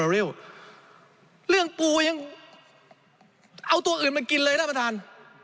เรื่องปูยังเอาตัวอื่นมากินเลยท่านประธาน